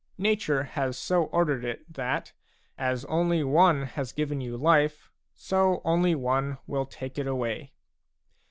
Nature has so ordered it that, as only one has given you life, so only one will take it away.